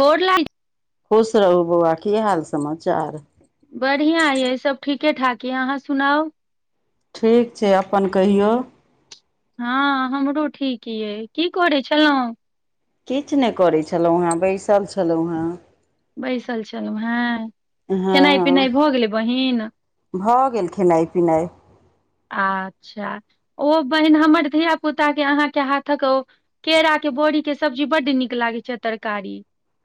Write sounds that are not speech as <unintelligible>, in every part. गोर लैगय खुश रहूॅं ब‌उआ की हाल समाचार बढ़िआँ ये सब ठीके ठाक यै अहाँ सुनाउ ठीक छैय, अपन कहियौ। ह हमरो ठीक यै, की करै छलौं? किछ नै करै छलौं हैंऽ, बैसल छलौं हैंऽ। बैसल छलौं हैंऽ? खेनाइ हँ पिनाइ भऽ गेलै बहिन? भऽ गेल खेनाइ पिनाइ। आच्छा, ओ बहिन हमर धिया पुता के अहाँके हाथक ओ केरा के बॉड़ी के सब्जी बड नीक लागै छै तरकारी।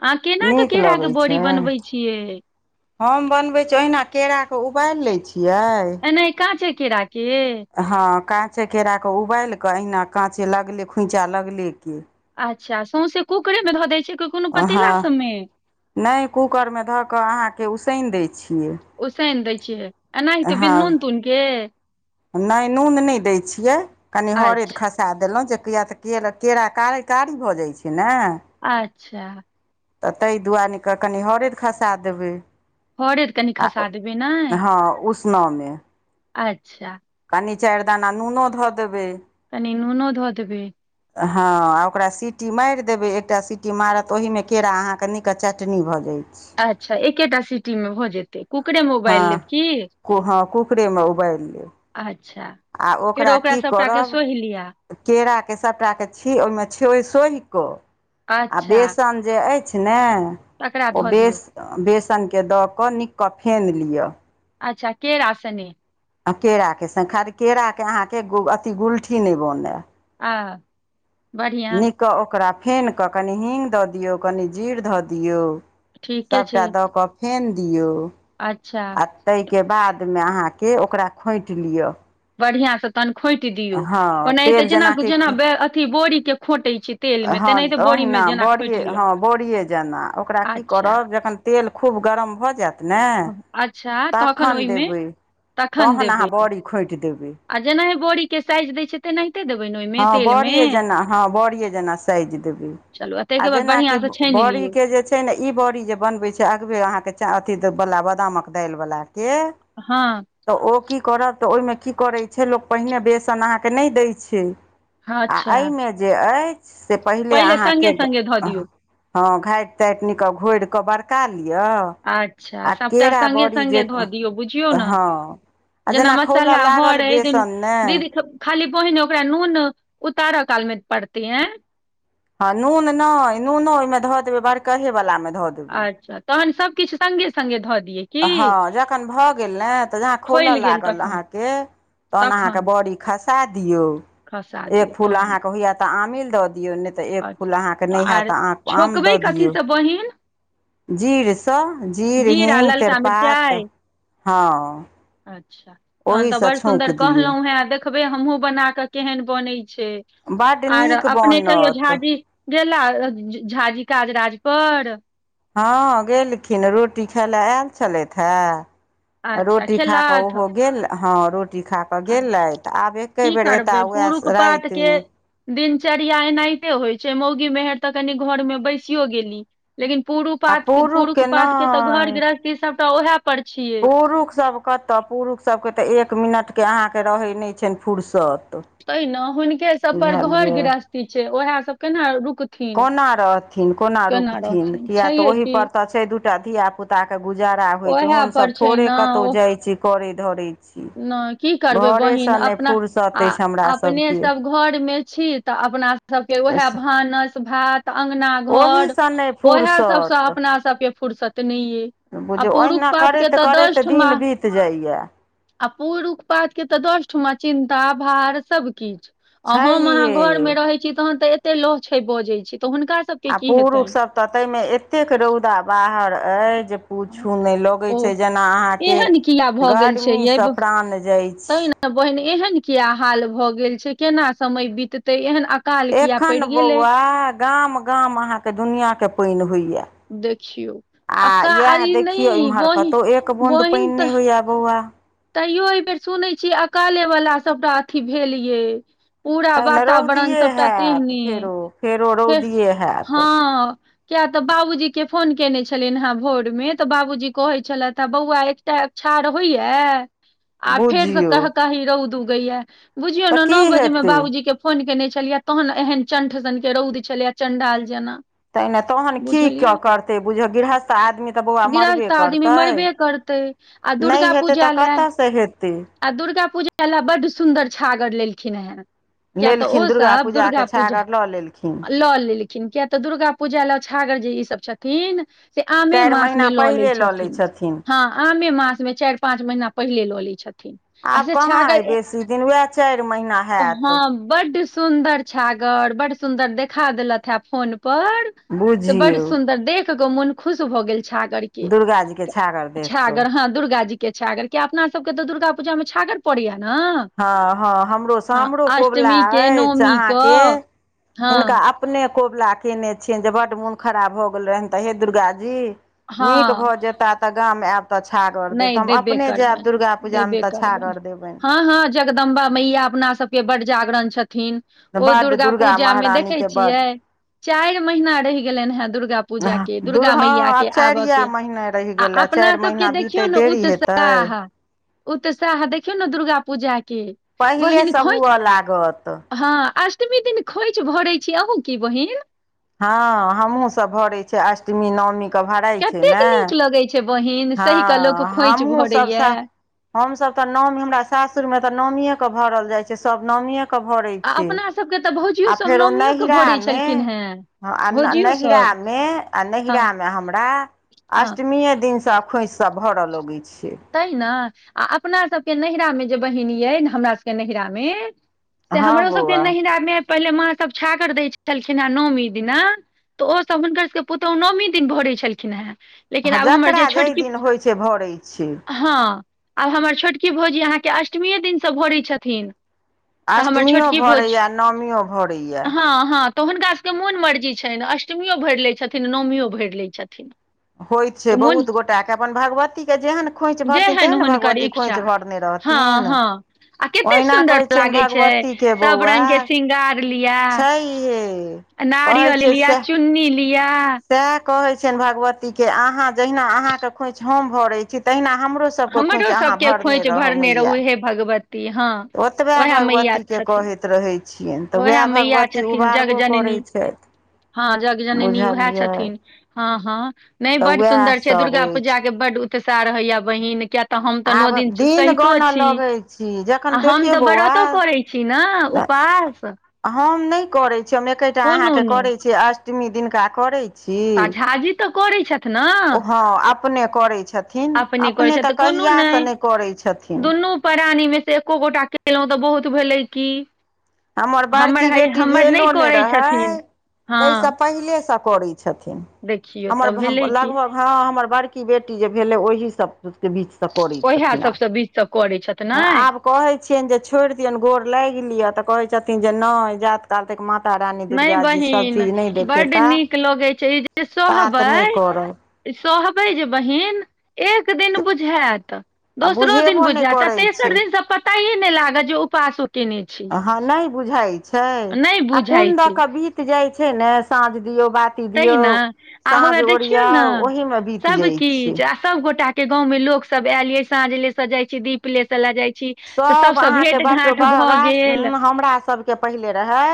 अहाँ केना क नीक केड़ा के लगै बॉड़ी छै बनबै छियै? हम बनबै छीयै ओहिना केराके उबाइल लैय छियै नैय काॅंचे केड़ा के? हँ काँचे केरा के उबाइल कऽ, अहिना काँचे लगले खोँइचा लगले के अच्छा सौंसे कुकरे मे धऽ दैय छियै कि कोनो अ पतीला हँ, सबमे नैय कूकर में धऽ कऽ अहाँके उसैन दै छियै। उसैन दै छियै एनाहिते बिन नून-तून के? नै नून नैय दै छियै, कनि हरैद अच्छा खसा सा देलौं, जे किआ तऽ केरा-केरा कार-कारी भऽ जाइ छै ने? अच्छा। त तैऽ दुआनि क कनि हरैद खसा देबै। हरैद कनि आ-अ, खसा देबै नै हँ उसनऽ में। अच्छा। कनी चैर दाना नूनो धऽ देबै। कनि नुनो धऽ देबै। हँ आ ओकरा सीटी माईर देबै, एकटा सीटी मारत त ओहिमे केरा अहाँके नीक क चटनी भऽ जाइ छै। अच्छा एकेटा सिटी में भऽ जे ते, कुकरे में हँ उवाइल लेब की? कु हँ कुकरेमे उबालि लेब अच्छा। फेरो ओकरा सबटा के सोइह‌ लिया। केरा के सबटा के छी-ओइ में छोइ-सोइह कऽ आ अच्छा बेसन जे अइ छ ने? तकरा ओ धऽ दियौ बेस-बेसन के दऽ कऽ नीक कऽ फेन लिअ। अच्छा केरा सने? आ केरा के सं-खारे केरा के अहाँके गु-अथी गुलठी नैय बनऽए। आ, बरहियां। त ओकरा फेन कऽ कनि हींग दऽ दियौ, कनि जीर धऽ दियौ। ठीके छै सबटा दऽ कऽ फेन दियौ। अच्छा। तै के बाद में अहाँके ओकरा खोंइट लिअ। बढ़ियां स तहन खोंइट दियौ, हँ ओनाहिते तेल जेना जेनाकि रु-जेना बे-अथी बोडी़ के खोंटै छी। तेल मे हँ तेनाहिते बोरी मे ओहिना जेना बॉड़ीये खोंटि लिअ हँ बॉडी़ए जेना, ओकरा की अच्छा करब जखन तेल खूब गरम भऽ जैत ने भऽ- अच्छा तखन ओहिमे देबै, तखन तहन देबै अहाँ बॉड़ी खोंइट देबै। आ जेनाहि बॉड़ी के साइज दैय छियै तेनाहिते देबै ना ओय हँ बॉड़िये जेना, हँ बॉड़िये जेना साइज देबै। चलू आ ताहिके बाद जेना कि बढ़िआँसँ छानि ब-बॉड़ी लियौ के जे छ छै ने? ई बॉड़ी जे बनबै छियै अगबे अहाँके चा-अथी दै-बला, बादामक दाइल बला के हँ। तऽ ओ की करब, तऽ ओई में की करै छै लोक पहिने बेसन अहाँ के नैय दै छै। आ अच्छा एयमे जे अइछ से पहिले अहाँके सङ्गे ग सङ्गे धऽ दियौ हँ घाइट ताइट निक क घोइर कऽ बरका लियऽ अच्छा सभटा संगे- संगे धऽ दियौ बुझियौ न। हँ आ जेना खौलऽ मसल्ला लागल हरैद बेसन ने दीदी खाली पहिने ओकरा नून उतारा काल मे पड़ते एं। हँ नून नय नूनो ओयमे धऽ देबै बड़कहे वलामे धऽ देबै। अच्छा तहन सभ किछ संगे-संगे धऽ दियै। की हँ जखन भऽ गेल ने तऽ जहाँ खोउलऽ खोलि गेल लागल तखन अहाँके तहन अहाँकेँ तखन बऽड़ी खसा दियौ खसा दियौ एक फूल तहन अहाँकेँ होइये त आमील दऽ दियौ नै त एक फूल अहाँके अच्छा नै हैत आर त अहाँ आ आम द छौकबै दियौ। कथीसँ बहिन। जीरसँ जीर जीरा हींग ललका तेजपात मिरचाइ हँ। अच्छा अहाँ त ओहीसँ बड़ छौँक सुन्दर दियौ कहलौं हेँ देख बय हमहु बना क केहन बनै छैय बड्ड आर नीक अपने कहियो बनत झाजी गेला अ झा झाजी काज राज पर। हँ गेलखिन रोटी खाय लए आयल छलैथ हे अच्छा रोटी खा कऽ खेलथि ओहो गेल हँ रोटी खा कऽ त आ गेलैथ आब एके की बेर एता करबै पुरुष वएह पात के रातिमे। दिनचर्या एनाहिते होइ छैय मौगी मेहर त कनि घरमे बैसियो गेली लेकिन पुरु आ पातके पुरुख पुरुषके पातके त घर नहि गृहस्थी सबटा ओहे पुरुख सभ कतऽ पुरुख सभके त एक मिनटके अहाँके रहै नै छैन फुरसत। तैं ने हुनके सब पर घर गृहस्थी छैय ओहे सब केना रुक कोना रहथिन कोना रुकथिन रहथिन किया त छैहे की ओहिपर त छै दू टा धियापुता त्ता के गुजारा होइ छैय ओएह पर हमसभ छै थोड़े ने कतौ जाइ छी करे धरैत। नय की करबै बहिन अपना फुर्सत आ अछि हमरा सभके अपनेसभ घरमे छी त अपनासभके वेहे भानस भात त अंगना घर ओहीसँ नहि ओहे सबसे फुर्सत अपना सबके फुर्सत नै अय। बुझु ओहिना करैत- करैत दिन बीत जाइए। आ पूरुख पातके त दस ठमा चिन्ता भार सब किछ आ हम अहाँ छैहे घरमे रहै छी तहन त एते लहछै बजै छी त हुनका सबके आ की पुरुख हेतनि सभ त तयमे एतेक रौदा बाहर अइ जे पुछु नै लगै ओ छैय जेना अहाँके एहन किया भऽ गेल छै गर्मीसँ यै प्राण जाय तै छैय। बहिन एहन किया हाल भऽ गेल छैय केना समय बीततै एहन अकाल किया एखन पड़ि गेलै बौआ गाम-गाम अहाँके दुनियाँके पइन होइए। देखियौ आ अकाल यएह ई देखियौ नहि इम्हर बहिन कतौ एक बूद बहिन पइन नै तऽ होइये बौआ। तैयो एय बेर सुनै छियै अकाले वला सभटा अथी भेल यै। पूरा वातावरण सबटा तेहने। ओ फेर ओ फेर हँ। किया त बाबूजीके फोन केने छलियैन हेँ भोरमे त बाबूजी कहे छलैथ हे बौआ त एकछार होइया आ फेर से बुझियौ कह कही रौद उगइयै बुझियौ तऽ ने की नौ बजे में हेतै बाबूजीके फोन केने छलियै तहन एहेन चण्ठ सनके रौद छलैए चणडाल जेना। तैं ने तहन की बुझलियै करतै बुझियौ गृहस्थ आदमी त बौआ गृहस्थ मरबे आदमी करतै। मरबे करतै आ नाय दुर्गा हेतै तऽ पूजा लए कतय सँ हेतै आ दुर्गा पूजा लए बहुत सुन्दर छागर लेलखिन हे क्ये तऽ ओ लेलखिन सब दुर्गा पूजाके पूजा छागर लऽ लेलखिन लऽ लेलखिन क्ये तऽ दुर्गा पूजा लऽ छागर ई सब जे छथिन से आमे मास मे लऽ लै छथिन हँ आमे मासे मे चार पाँच महीना पहिले लऽ लय छथिन आब अच्छ कहाँ छ अइ कर बेसी दिन उएह चारि महीना हैत हँ <unintelligible> बड सुन्दर छागर बड सुंदर छागर देखा देलत हे फोन पर से बड़ बुझियौ सुन्दर देख कऽ मोन खुश भऽ छागर के दुर्गा जीके छागर देख कऽ छागार हां दुर्गा जी के छागर क्याक अपना सबके तऽ दुर्गा पूजा मे छागर पड़ैया ने हँ हँ हमरो स हँ हमरो कबुला अष्टमी के अछ नौमी अहाँके कऽ हिनका हँ आपन अपने कबुला कने छियान जे बड मोन खराब भऽ गेल रहिन तऽ हे दुर्गा जी नीक हँ भऽ जेता तऽ गाम आब तऽ छागर देब नहि तऽ हम देबे अपने जायब करबनि दुर्गा पूजा मे देबे तऽ करबनि छागर देबयन हँ हँ जगदम्बा मैया अपना सब के बड जागरण छथिन ओ बड्ड दुर्गा पूजा मे देखैय महारानीके बड्ड छियै। चेयर महिना रहि गेलायन हेँ दुर्गा पूजा के दुर्गा मैया के आबय के आ गेलए अपना चारि सबके महीना देखियौ बीतेत ने देरी हेतै उत्साह उत्साह देखियौ ने दुर्गा पूजा के बहिन पहिलेसँ खोंइछ। हुअ लागत हँ अष्टमी दिन खोंइछ भरै छी अन्हु की बहिन हँ हमहूँ सभ भरैय छी अष्टमी नवमी के भराइ छै ने लगैय छै बहिन सहि कऽ लोक हँ खोंइछ हमहूं सभ भरैया सेह हम सभ तऽ नवमी हमरा सासुर मे तऽ नवमी ए के भरल जाइ छै सब नवमी ए के भरै छै। हमर सभ के तऽ भौजियो आ सब नवमी यो के भरे छलखिन हेँ। ह आ भौजियो नाहिरा सब मे आ हँ नाहिरा मे हमरा हँ अष्टमी ए दिन सँ खोयछ सब भरा लगैत छै। ताहिना आ अपना सब के नाहिरा मे जे बहिन ये हमरा सब के नहीरा मे से हँ हमरो सभ के बौआ नहीरा पहिले माँ सभ छागर दैत छलखिन हेँ नवमी दिना तऽ ओ सभ हुनकर सभ के पुतहु नवमी दिन भरै छलखिन हेँ लेकिन ह आब हमर जकरा जे जाहि छोटकी दिन होइत छै भराय छै। हँ आब हमर छोटकी भौजी अहाँ के अष्टमीे ये दिन सँ भरे छथिन तऽ हमर अष्टमियो छोटकी भोजी भरैए नवमियो भरैए हँ हँ तऽ हुनका सभ के मोन मर्जी छयन अष्टमि ओ भरि लैय छथिन नवमी ओ भरि लैत छथिन होइत छै तऽ मोन बहुत गोटाय के अपन भागवती पभागवती के जेहन खोइछ भरथिन जेहन तेहन भगवती खोइछ भरने रहथिन अ् <inaudible> ओहिना कहै छियन भगवती के बौआ शङंगार लििया <unintelligible> छाहिए नारियल लिआ चुन्नी लिआ सेह कहे छियन भगवती के अहाँ जहिना अहाँ के खोयाच हम भरे छी तहिना हमरो हमरो सब के खोयच हमरो सबके भरने खोइछ रहव भरने रहू माईया हे भगवती हँ ओएह मैया छथिन रहै छियनि तऽ उएह ओएह मैया भगवती छथिन उबारबो करै जगजननी छथि हँ जग जननी उएह बुझलियै छथिन हँ हँ नहि तऽ बड उएह सुन्दर छै सब दुर्गा अछि पूजाके बड उत्साह रहैया बहिन क्य तऽ हम तऽ नओ आब दिन सहितो गानऽ छी लगै छी आ जखन हम देखियौ तऽ बौआ व्रतो करै छी छी न उपास हम नहि करैत छी हम एकेठटा कोनो अहाँके नहि करैत छी अष्टमी दिनका करै त छी झाजी तऽ करै छ ओ हँ अपने करैत छथि अपने कहै छथि तऽ कोनो नहि करै छथिन दुनू प्राणीमे से एको गो टा केलहुँ तऽ बहुत भेललै की हमर बड़की हइ बेटी हमर भेलो नहि करैत रहै छथिन ताहिसँ हँ पहिलेसँ करैत छथिन देखियौ हमर तऽ भेलै की लगभग हँ हमर बड़की बेटी जे भेलै ओहि के बीजसँ करै ओएह छथिन आर सभसँ बीच सब करैत छथि ने आब कहै छियनि जे छोड़ि दियनि गोर लागि लियअ तऽ कहै छथिन जे नहि जात काल त मात नहि बहिन बड देखेता नीक लगै छै जे तात नहि करब सहबै सहबै जे बहिन एक दिन बुझायत आ दोसरो दिन बुझेबो नहि बुझायत आ करै छै तेसर दिनसँ पताये नहि लागत जे उपासो केने छी ह नहि बुझााय छै नहि आ कोन बुझाइ दऽ छै के बीत जाय छै ने साँझ दियौ बा ती दियऔ तहिना आ हौवे साँझ देखियौ ने ओरियाउ ओहिमे बीत सब जाय छै किछु आ सब गोटा के गाँवमे लोको सब आयल ये साँझ ले से जाय छै दीप लेसे ले जाय छै। सब अहाँके बाटो बा गेल हमरा सबके पहिले रहे।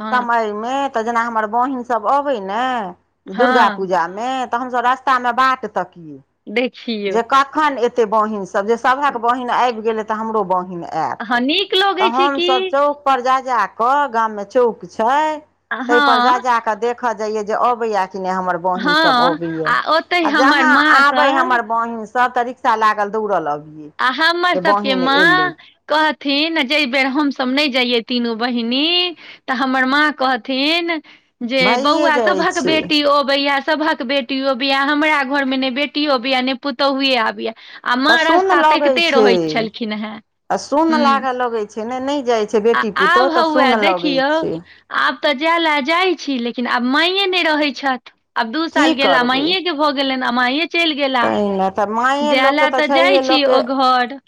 हँ समय मे तऽ जेना हमर बहिन सब अबै ने दुर्गा हँ पूजा मे तऽ हमसभ रस्ता मे बाट तकियए देखिी जे कखन एते बहिन सब जे सभह के बहिन आबि गेले ते हमरो बहिन हँ आयत नीक त लगै छै कि हमसब चौक पर जा जा कऽ गाम मे चौक छै ता पर जा हँ जा कऽ देख देखऽ जाइया जे अबैया कि ने हमर बहिन सब हँ अबैया आ ओतहि आ हमर जहााँ माँ आबे सब हमर बहिन सब तऽ रिक्शा लागल दौड़ल अबियै आ हमर जे सबके बहिन एलै माँ कहथिन जे बेर हमसभ नहि जाइये तीनू बहिनी तऽ हमर माँ कहथिन जे भइए बौआ जाइ सभक छै बेटी अबैया सभक बेटी बेटियो बिया हमरा घर मे ने बेटियो बय ने पुतोहुे आबैया आ माँ तऽ र सुन्न लगै छै आ सुन हूँ लागे लगै छै ने नहि जाइ आ बेटी आब पुतोह तऽ हौआ सुन लगै देखियौ छै। आब तऽ जाय ला जाइ छी लेकिन आब माइये नहि रहै छथि आब दू साल गेला मइये के भऽ गेलनि अमाय एहि ने तऽ मायए लोकके तऽ जाइ छए छी लोकके ओ घर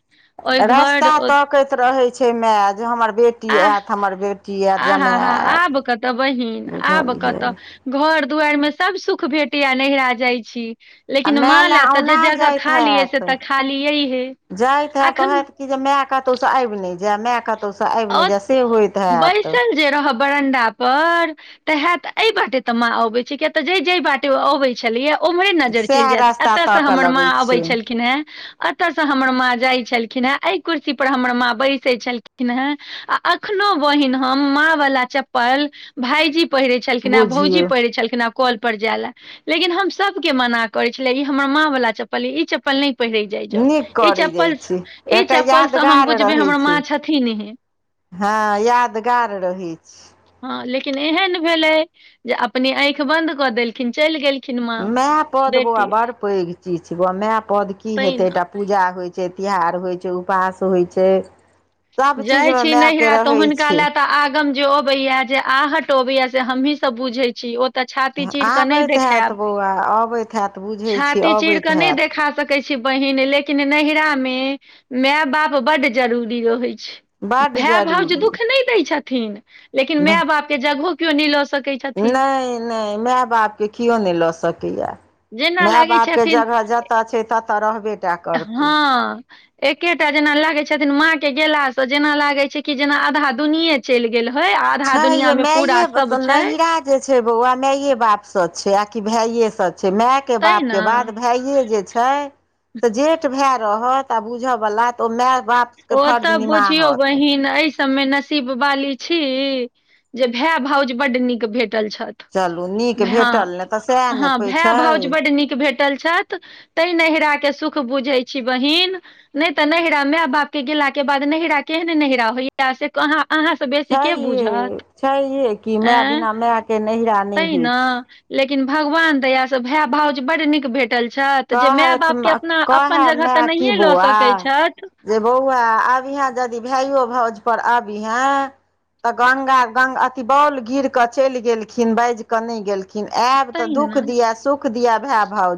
ओहि रास्ता घर तकैत रहैत छै माय जे हमर बेटी आह आयत हमर बेटी आयत आहा जमाय हा आयत आब कतऽ बहिन आब बुझलियै कतऽ घर दुआर मे सब सुख भेटैया नहिरा जाइ छी आ लेकिन माँ माय लए ले तऽ जे औना जगह जाइत खाली यए से हैत तऽ खाली यहिहे जाइत हैत तऽ अखन हैत कि जे माय कतहु से आबि नहि जाय माय कतहु से आबि नहि जाय से होइत हैत ज रह बरंडा पर, ते हेत ए बाटे ते माँ अबे छै, किया ते जै- जै बाटे अबे छलियै, ओम्हर नजर चलि सएह जायत, रास्ता एतयसँ ताकऽ हमर माँ लगै अबै छै छलखिन हेँ। एतऽ से हमर माँ जाय छलखिन हे, एहि कुर्सी पर हमर माँ बैसे छलखिन है, आ अखनो बहिन हम, माँ वला चप्पल, भायजी पहिरै छलखिनँ है, भौजी बुझियौ पहिरे छलखिने है। कल पर जाय ले, लेकिन हम सब के मना करे छलिये, ई हमर माँ वाला चप्पल य, इ चप्पल नहि पहिरै जाइ -जाउ, नीक ई करै चप्पल, जाइ छै ई एकटा चप्पलसँ हम यादगार बुझबै रहै हमर माँ छै छथिन हे। हँ, यादगार रहै छै। हँ, लेकिन एहन भेलै, जे अपने आँखि बंद कऽ देलखिन, चलि गेलखिन। माँ माए पद बौआ बेटी बड़ पैघ चीज छै, बौआ माए पद की हेतै, तहिना एकटा पूजा होइत छै, तिहार होइत छै, उपास होइत छै। सभ जाइ चीजमे छी मायके नहरा, त रहै हुनका छै ले आगम जे अबैया, जे आहट अबैया से, हमहीं सब बुझै छी। तऽ छाती चीर कऽ नहि आबैत हैत देखायब, बौआ अबैत हैत बुझै छी छाती चीर अबैत कऽ नहि हैत देखा सकै कहै छी बहिन, लेकिन नैहरा मे माय -बाप बड्ड जरूरी रहै छै। बड्ड भय -भाउज जरूरी दुःख नहि दै छथिन, लेकिन माय -बापके जगहो केओ नहि लऽ सकैत छथि। नहि -नहि माय बापके किओ नहि लऽ सकैए। जेना माय- लागै बाप के छथिन जगह जेत छै, ततऽ रहबे टा करतै हँ। एकेटा जेना लागे छथिन, माँ के गेला से, जेना लागे छै कि, जेना आधा दुनिये चलि गेल होइ, आधा छै दुनिया जे में पूरा मायए सब छै। नैहरा जे छै बौआ, मायए बाप से छै, आ कि भाये से छै, माय के तै बाप के ने बाद, भाय भाये जे छै, से जेठ भाय रहत, आ बुझ बाला त ओ तऽ बुझियौ बहिन! एइछ तै मे नसीब वाली छी, जे भाय भौज बड नीक भेटल छथि। चलू नीक हय, भेटल ने तऽ सएह ने हँ, पै भाय भौज छै बड नीक भेटल छथि। तै नैहरा के सुख बुझै छी बहिन! नहि तऽ नैहरा माय- बाप के गेला के बाद, केहने नहिरा होइया से अहाँ से बेसी छै के ये, बुझत छै ये, कि माय बिना माय के नैहरा नहि ते होइ छै ने, लेकिन भगवान दया से, भाय भाउज बड नीक भेटल। छथि, जे माय कहैत बापके अपना, अपन कहए जगह तऽ नहिए लऽ सकैत छथि। गे बौआ, आबिहें यदि भाइयो भौज पर आबिहें। तऽ गंगा, गंगा अथि बाल गिर के चलि गेलखिन, बैज के नहि गेलखिन। लेकिन आयब तऽ, दुख तहिना दिया, सुख दिया, भाय भाउज!